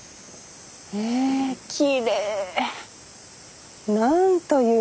ええきれい。